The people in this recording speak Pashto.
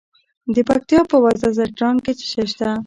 د پکتیا په وزه ځدراڼ کې څه شی شته؟